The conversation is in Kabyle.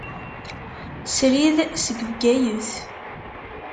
Srid seg Bgayet.